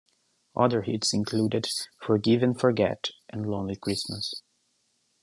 Other hits included "Forgive And Forget" and "Lonely Christmas".